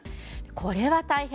これは大変。